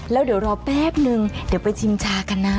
แล้วเดี๋ยวรอแป๊บนึงเดี๋ยวไปชิมชากันนะ